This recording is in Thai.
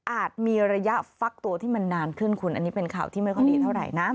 มีระยะฟักตัวที่มันนานขึ้นคุณอันนี้เป็นข่าวที่ไม่ค่อยดีเท่าไหร่นะ